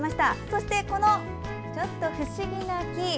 そして、ちょっと不思議な木。